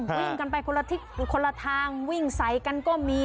วิ่งกันไปคนละทางวิ่งใสกันก็มี